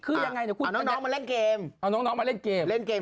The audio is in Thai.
คือยังไงเอาน้องน้องมาเล่นเกมเอาน้องน้องมาเล่นเกมเล่นเกม